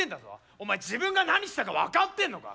お前自分が何したか分かってんのか？